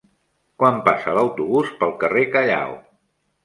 Quan passa l'autobús pel carrer Callao?